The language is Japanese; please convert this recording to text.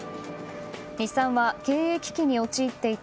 日産は、経営危機に陥っていた